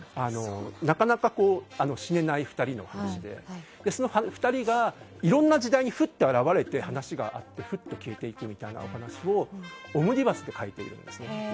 なかなか死ねない２人の話でその２人がいろんな時代にふっと現れて話があって、ふっと消えていくみたいな話をオムニバスで描いているんです。